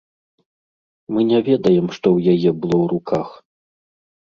Мы не ведаем, што ў яе было ў руках.